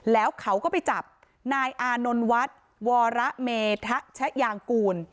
แล้วเขาก็ไปจับนายอานนท์วัดวรเมทะยางกูล